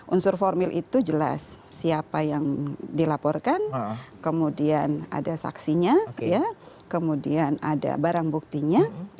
unsur formil itu jelas siapa yang dilaporkan kemudian ada saksinya kemudian ada barang buktinya